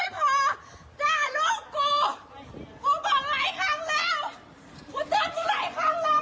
บนเจ้าจะหลายครั้งแล้วไหม